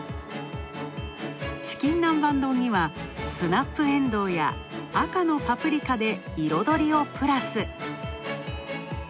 チキン南蛮丼にはスナップエンドウや、赤のパプリカで彩りをプラス。